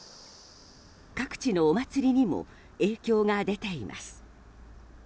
各地のお祭りにも影響が出ています。